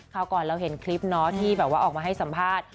ก่อนเราเห็นคลิปเนาะที่แบบว่าออกมาให้สัมภาษณ์